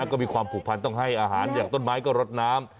แล้วก็มีความผูกพันต้องให้อาหารอย่างต้นไม้ก็รดน้ำ